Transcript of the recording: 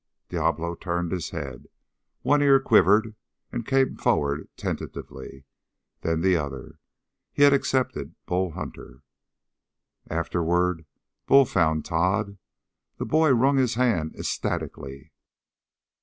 Diablo turned his head. One ear quivered and came forward tentatively; then the other. He had accepted Bull Hunter. Afterward Bull found Tod. The boy wrung his hand ecstatically.